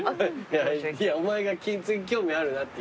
いやお前が金継ぎ興味あるなって言うから。